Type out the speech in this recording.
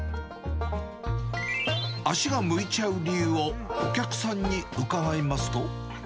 足が向いちゃう理由を、お客さんに伺いますと。